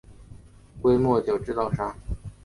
威末酒制造商对他们的配方严格保密。